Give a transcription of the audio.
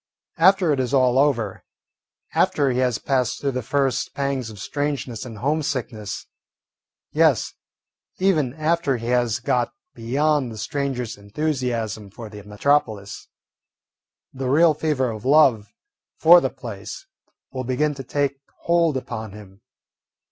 After it is all over, after he has passed through the first pangs of strangeness and homesickness, yes, even after he has got beyond the stranger's enthusiasm for the metropolis, the real fever of love for the place will begin to take hold upon him.